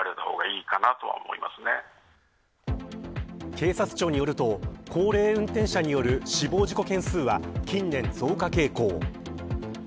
警察庁によると高齢運転者による死亡事故件数は近年増加傾向。